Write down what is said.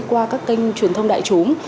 qua các kênh truyền thông đại chúng